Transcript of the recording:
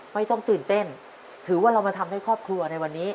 ไม่ต้องตื่นเต้นถือว่าเรามาทำให้ครอบครัวในวันนี้